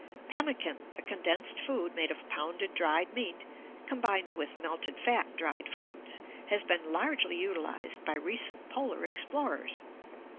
Pemmican, a condensed food made of pounded dried meat combined with melted fat and dried fruits, has been largely utilized by recent polar explorers.